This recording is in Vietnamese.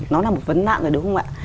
nó là một vấn nạn rồi đúng không ạ